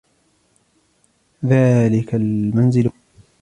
ذاك المنزل ملكي.